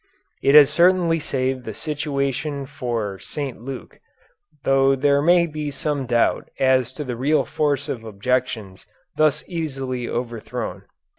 It has certainly saved the situation for St. Luke, though there may be some doubt as to the real force of objections thus easily overthrown.